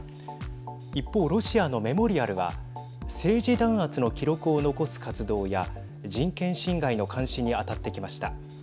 一方ロシアのメモリアルは政治弾圧の記録を残す活動や人権侵害の監視に当たってきました。